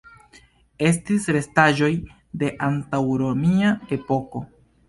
Estis restaĵoj de antaŭromia epoko.